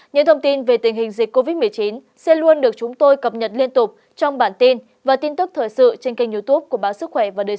những thông tin về tình hình dịch covid một mươi chín sẽ luôn được chúng tôi cập nhật liên tục trong bản tin và tin tức thời sự trên kênh youtube của báo sức khỏe và đời sống